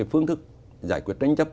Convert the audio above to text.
phương thức giải quyết tranh chấp